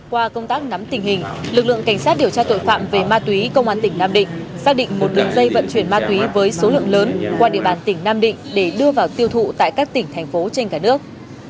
qua công tác nắm tình hình lực lượng cảnh sát điều tra tội phạm về ma túy công an tỉnh nam định xác định một đường dây vận chuyển ma túy với số lượng lớn qua địa bàn tỉnh nam định để đưa vào tiêu thụ tại các tỉnh thành phố trên cả nước